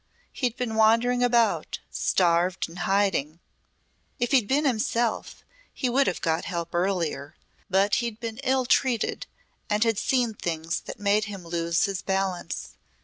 He'd been wandering about, starved and hiding. If he'd been himself he could have got help earlier. But he'd been ill treated and had seen things that made him lose his balance.